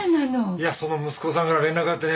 いやその息子さんから連絡あってね